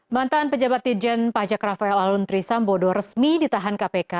mantan pejabat dijen pajak rafael aluntri sambodo resmi ditahan kpk